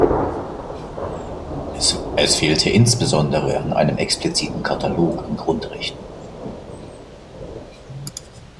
Es fehlte insbesondere an einem expliziten Katalog an Grundrechten.